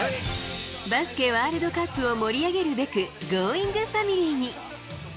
バスケワールドカップを盛り上げるべく、Ｇｏｉｎｇファミリーに。